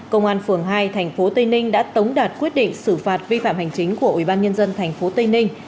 công an phường hai tp tây ninh đã tống đạt quyết định xử phạt vi phạm hành chính của ubnd tp tây ninh